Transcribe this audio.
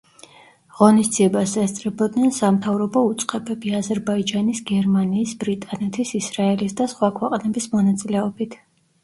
ღონისძიებას ესწრებოდნენ სამთავრობო უწყებები, აზერბაიჯანის, გერმანიის, ბრიტანეთის, ისრაელის და სხვა ქვეყნების მონაწილეობით.